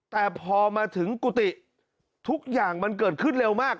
แต่พอมาถึงกุฏิทุกอย่างมันเกิดขึ้นเร็วมาก